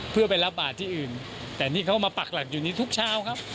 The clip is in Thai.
เพื่อไปรับบาทที่อื่นแต่นี่เขามาปักหลักอยู่นี้ทุกเช้าครับ